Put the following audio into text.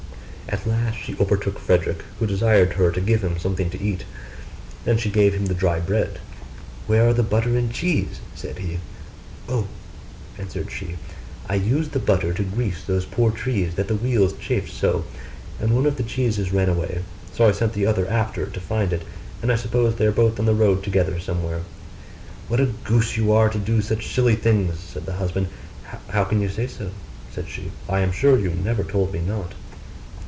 At last she overtook Frederick, who desired her to give him something to eat. Then she gave him the dry bread. 'Where are the butter and cheese?' said he. 'Oh!' answered she, 'I used the butter to grease those poor trees that the wheels chafed so: and one of the cheeses ran away so I sent the other after it to find it, and I suppose they are both on the road together somewhere.' 'What a goose you are to do such silly things!' said the husband. 'How can you say so?' said she; 'I am sure you never told me not.